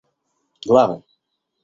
главы